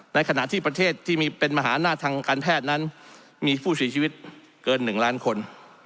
ในขณะที่ประเทศที่มีเป็นมหาหน้าทางการแพทย์นั้นมีผู้เสียชีวิตเกิน๑ล้านคน